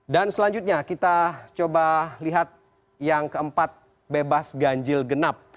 dan selanjutnya kita coba lihat yang keempat bebas ganjil genap